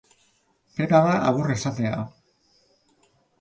Pena da agur esatea.